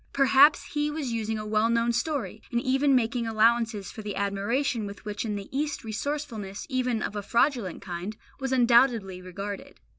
Perhaps He was using a well known story, and even making allowances for the admiration with which in the East resourcefulness, even of a fraudulent kind, was undoubtedly regarded.